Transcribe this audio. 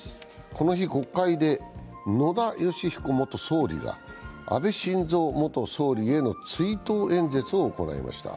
この日、国会で野田佳彦元総理が安倍晋三元総理への追悼演説を行いました。